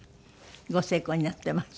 ご成功を祈ってます。